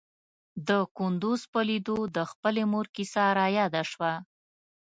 د کندوز په ليدو د خپلې مور کيسه راياده شوه.